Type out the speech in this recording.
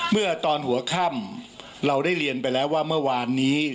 เมื่อตอนหัวค่ำเราได้เรียนไปแล้วว่าเมื่อวานนี้